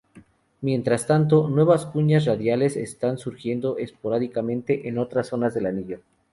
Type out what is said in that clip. Mientras tanto, nuevas cuñas radiales están surgiendo esporádicamente en otras zonas del anillo.